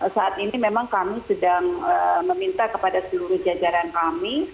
saat ini memang kami sedang meminta kepada seluruh jajaran kami